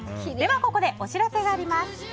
ここでお知らせがあります。